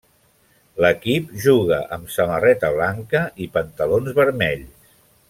L'equip juga amb samarreta blanca i pantalons vermells.